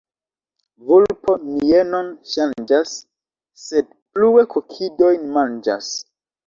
Vulpo mienon ŝanĝas, sed plue kokidojn manĝas.